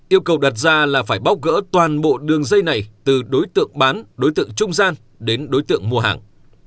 yêu cầu đặt ra là phải bóc gỡ toàn bộ đường dây này từ đối tượng bán đối tượng trung gian đến đối tượng mua hàng